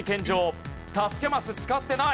助けマス使ってない。